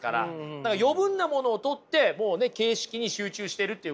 だから余分なものを取ってもうね形式に集中してるっていうことなんですよ。